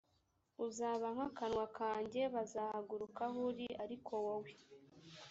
uzaba nk akanwa kanjye bazagaruka aho uri ariko wowe